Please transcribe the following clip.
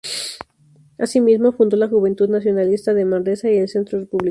Asimismo, fundó la Juventud Nacionalista de Manresa y el Centro Republicano.